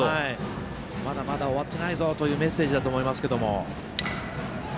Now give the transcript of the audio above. まだまだ終わってないぞというメッセージだと思いますけども。